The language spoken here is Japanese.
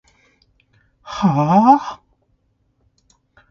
はーーー？